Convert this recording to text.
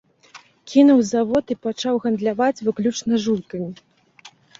Кінуў завод і пачаў гандляваць выключна жуйкамі.